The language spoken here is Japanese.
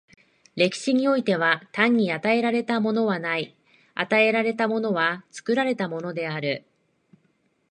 歴史においては、単に与えられたものはない、与えられたものは作られたものである。